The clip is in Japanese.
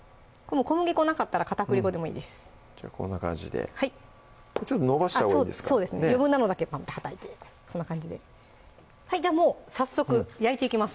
小麦粉なかったら片栗粉でもいいですじゃあこんな感じでちょっとのばしたほうがいいですか余分なのだけパンってはたいてそんな感じでじゃあもう早速焼いていきます